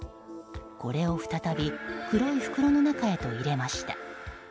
これを再び黒い袋の中へと入れました。